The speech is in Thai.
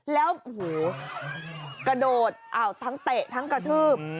แล้วกระโดดทั้งเตะทั้งกระทืบ